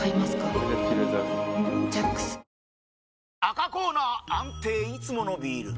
赤コーナー安定いつものビール！